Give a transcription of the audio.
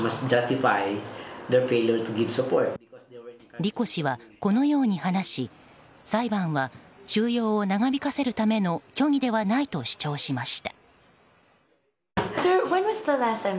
リコ氏はこのように話し裁判は収容を長引かせるための虚偽ではないと主張しました。